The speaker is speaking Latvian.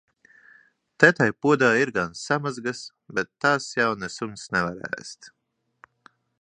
Te tai podā ir gan samazgas, bet tās jau ne suns nevar ēst.